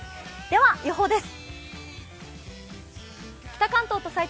では予報です。